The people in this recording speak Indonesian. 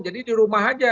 jadi di rumah aja